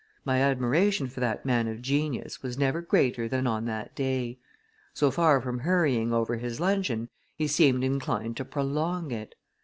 My admiration for that man of genius was never greater than on that day. So far from hurrying over his luncheon, he seemed inclined to prolong it.